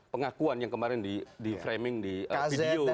pengakuan yang kemarin di framing di video